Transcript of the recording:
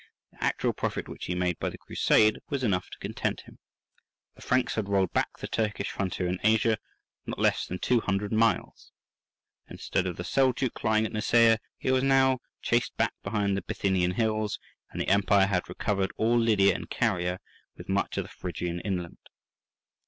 The actual profit which he made by the Crusade was enough to content him: the Franks had rolled back the Turkish frontier in Asia not less than two hundred miles: instead of the Seljouk lying at Nicaea, he was now chased back behind the Bithynian hills, and the empire had recovered all Lydia and Caria with much of the Phrygian inland.